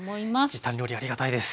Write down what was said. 時短料理ありがたいです。